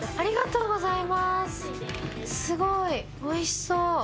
おいしそう。